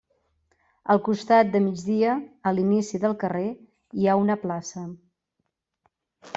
Al costat de migdia, a l'inici del carrer, hi ha una plaça.